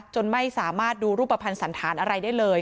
จนไม่สามารถดูรูปภัณฑ์สันธารอะไรได้เลย